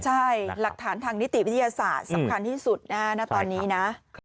ใช่หลักฐานทางนิติวิทยาศาสตร์สำคัญที่สุดนะฮะณตอนนี้นะ